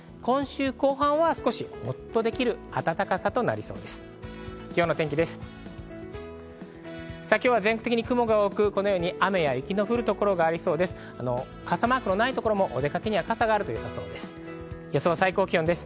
今週後半はほっとできる暖かさとなりそうです。